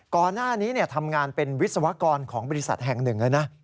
ก่อนหน้านี้ทำงานเป็นวิศวกรของบริษัทแห่งหนึ่งเลยนะ